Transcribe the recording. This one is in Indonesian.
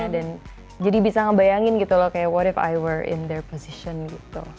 dan jadi bisa ngebayangin gitu loh kayak what if i were in their position gitu